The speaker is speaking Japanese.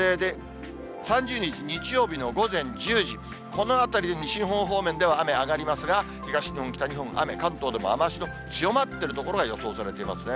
３０日日曜日の午前１０時、このあたりで西日本方面、雨上がりますが、東日本、北日本、雨、関東でも雨足の強まっている所が予想されていますね。